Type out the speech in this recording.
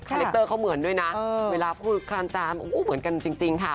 แรคเตอร์เขาเหมือนด้วยนะเวลาพูดคานจามเหมือนกันจริงค่ะ